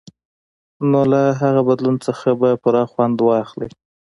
نو له هغه بدلون څخه به پوره خوند واخلئ.